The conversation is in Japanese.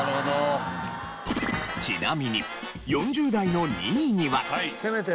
ちなみに４０代の２位には。